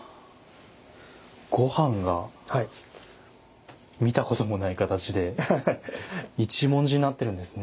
ご飯が見たこともない形で一文字になってるんですね。